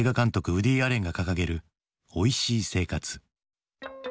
ウディ・アレンが掲げる「おいしい生活」。